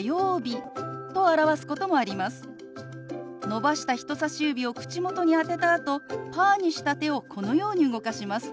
伸ばした人さし指を口元に当てたあとパーにした手をこのように動かします。